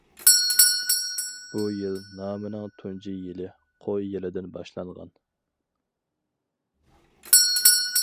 بۇ يىل نامىنىڭ تۇنجى يىلى قوي يىلىدىن باشلانغان.